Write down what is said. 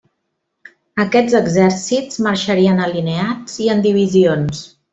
Aquests exèrcits marxarien alineats i en divisions.